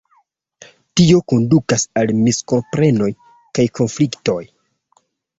Tio kondukas al miskomprenoj kaj konfliktoj.